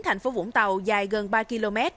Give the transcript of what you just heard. thành phố vũng tàu dài gần ba km